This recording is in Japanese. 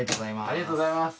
ありがとうございます。